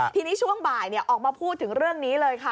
ทีนี้ช่วงบ่ายออกมาพูดถึงเรื่องนี้เลยค่ะ